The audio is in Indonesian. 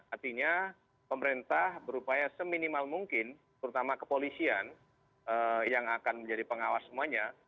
artinya pemerintah berupaya seminimal mungkin terutama kepolisian yang akan menjadi pengawas semuanya